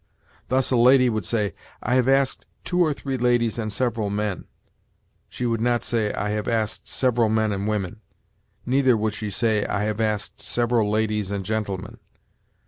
Thus a lady would say, 'I have asked two or three ladies and several men'; she would not say, 'I have asked several men and women'; neither would she say, 'I have asked several ladies and gentlemen.'